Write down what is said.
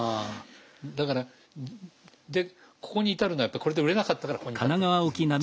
だからでここに至るのはやっぱこれで売れなかったからここに至ってるわけですね。